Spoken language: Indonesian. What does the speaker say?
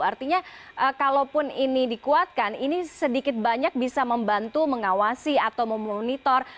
artinya kalaupun ini dikuatkan ini sedikit banyak bisa membantu mengawasi atau memonitor